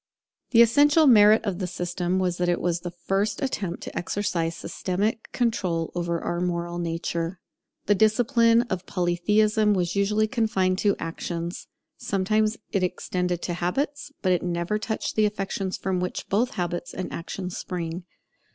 The essential merit of the system was that it was the first attempt to exercise systematic control over our moral nature. The discipline of Polytheism was usually confined to actions: sometimes it extended to habits; but it never touched the affections from which both habits and actions spring.